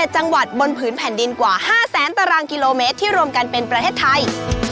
๗จังหวัดบนผืนแผ่นดินกว่า๕แสนตารางกิโลเมตรที่รวมกันเป็นประเทศไทย